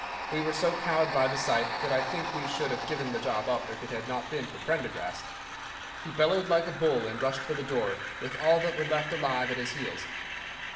We were so cowed by the sight that I think we should have given the job up if it had not been for Prendergast. He bellowed like a bull and rushed for the door with all that were left alive at his heels.